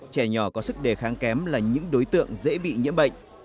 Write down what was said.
trẻ nhỏ có sức đề kháng kém là những đối tượng dễ bị nhiễm bệnh